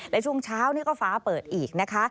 และช่วงเช้าก็ฟ้าเปิดอีกนะคะ